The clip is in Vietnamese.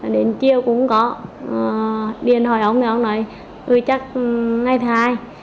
đến chiêu cũng có điên hỏi ông thì ông nói chắc ngày thứ hai